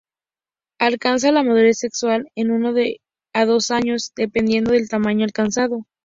Alcanza la madurez sexual en uno a dos años, dependiendo del tamaño alcanzado.